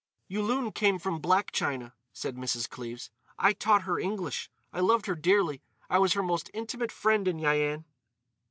"Yulun came from Black China," said Mrs. Cleves. "I taught her English. I loved her dearly. I was her most intimate friend in Yian."